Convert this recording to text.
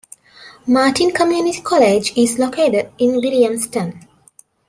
Martin Community College is located in Williamston.